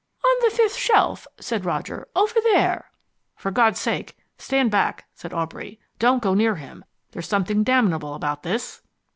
"On the fifth shelf," said Roger. "Over there " "For God's sake stand back," said Aubrey. "Don't go near him. There's something damnable about this."